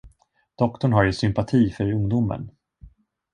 Doktorn har ju sympati för ungdomen.